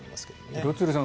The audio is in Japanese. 廣津留さん